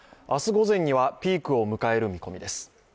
午前にはピークを迎える見込みです。